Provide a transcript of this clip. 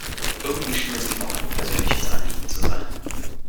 Irgendwie schien es ihm auch ein persönliches Anliegen zu sein.